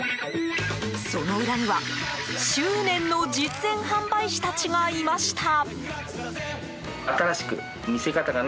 その裏には、執念の実演販売士たちがいました。